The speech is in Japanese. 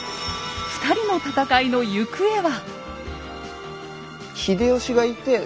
２人の戦いの行方は？